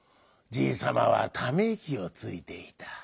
じいさまはためいきをついていた。